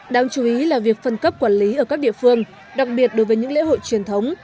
đáng chú ý là việc phân cấp quản lý ở các địa phương đặc biệt đối với những lễ hội truyền thống